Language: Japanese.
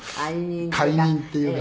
「懐妊っていうか」